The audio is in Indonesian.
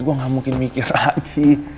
gue gak mungkin mikir lagi